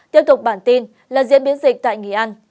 tiếp tục bản tin là diễn biến dịch tại nghệ an